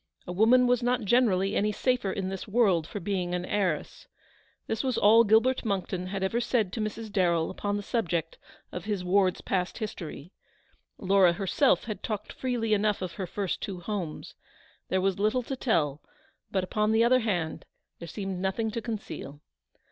A woman was not generally any the safer in this world for being an heiress. This was all Gilbert Monckton had ever said to Mrs. Darrell upon the subject of his ward's past history. Laura herself had talked freely enough of her first two homes. There was little to tell, but, upon the other hand, there seemed nothing to conceal.